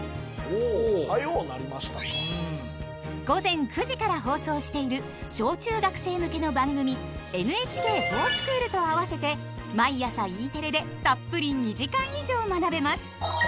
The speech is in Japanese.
午前９時から放送している小・中学生向けの番組「ＮＨＫｆｏｒＳｃｈｏｏｌ」と合わせて毎朝Ｅテレでたっぷり２時間以上学べます。